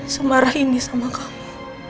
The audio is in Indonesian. semarah ini sama kamu